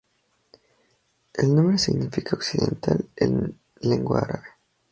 El nombre significa "occidental" en lengua árabe.